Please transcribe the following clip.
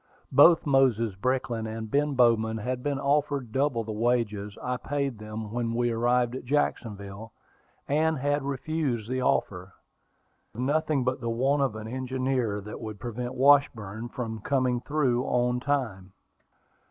Both Moses Brickland and Ben Bowman had been offered double the wages I paid them when we arrived at Jacksonville, and had refused the offer. I could think of nothing but the want of an engineer that would prevent Washburn from coming through on time.